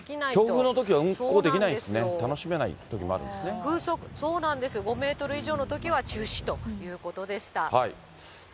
強風のときは運航できないんですね、楽しめないときもあるんそうなんですよ、５メートル以上のときは中止ということでした。